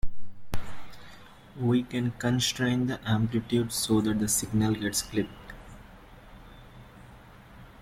We can constrain the amplitude so that the signal gets clipped.